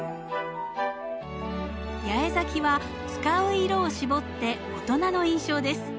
八重咲きは使う色を絞って大人の印象です。